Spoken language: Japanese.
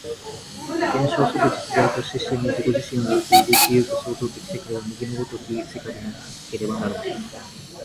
現象即実在として真に自己自身によって動き行く創造的世界は、右の如き世界でなければならない。